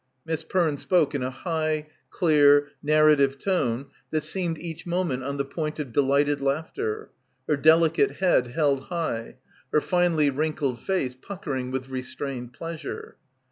Miss Perne spoke in a clear, high, narrative tone that seemed each moment on the point of delighted laughter, her delicate head held high, her finely wrinkled face puckering with restrained pleasure.